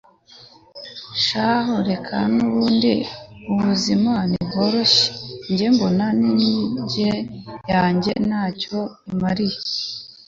shahu reka nubundi ubuzima ntibworoshye njye mbona nimyigire yanjye ntacyo imariye